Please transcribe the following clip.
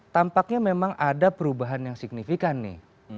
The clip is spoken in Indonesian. tampaknya memang ada perubahan yang signifikan nih